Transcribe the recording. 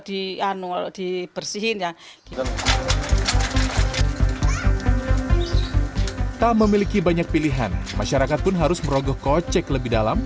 dan diberikan air yang diberikan oleh masyarakat ini juga harus diberikan dengan baik